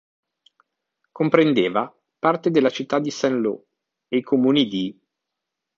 Comprendeva parte della città di Saint-Lô e i comuni di